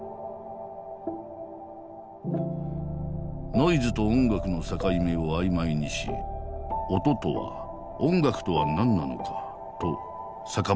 ノイズと音楽の境目を曖昧にし音とは音楽とは何なのかと坂本は問いかける。